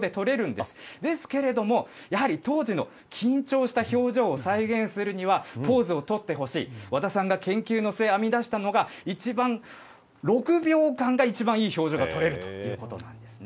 ですけれども、やはり当時の緊張した表情を再現するには、ポーズを取ってほしい、和田さんが研究の末、編み出したのが、一番、６秒間が一番いい表情が撮れるということなんですね。